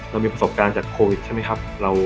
เรามีประสบการณ์จากโควิดใช่ไหมครับ